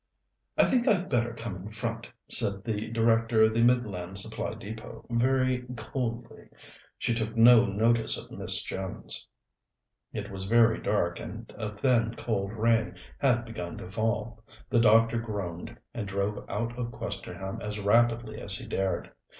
"I think I'd better come in front," said the Director of the Midland Supply Depôt, very coldly. She took no notice of Miss Jones. It was very dark, and a thin, cold rain had begun to fall. The doctor groaned, and drove out of Questerham as rapidly as he dared.